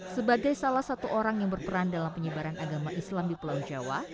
sebagai salah satu orang yang berperan dalam penyebaran agama islam di pulau jawa